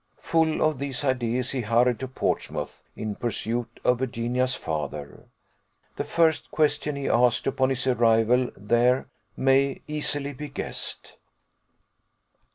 Full of these ideas, he hurried to Portsmouth in pursuit of Virginia's father. The first question he asked, upon his arrival there, may easily be guessed.